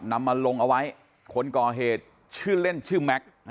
นำมาลงเอาไว้คนก่อเหตุชื่อเล่นชื่อแม็กซ์